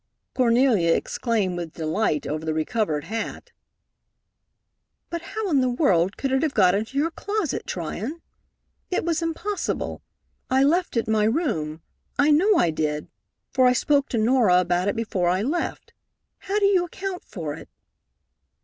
Cornelia exclaimed with delight over the recovered hat. "But how in the world could it have got into your closet, Tryon? It was impossible. I left it my room, I know I did, for I spoke to Norah about it before I left. How do you account for it?"